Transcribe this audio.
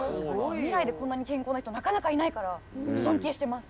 未来でこんなに健康な人なかなかいないから尊敬してます！